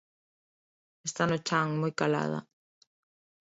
Está no chan moi calada.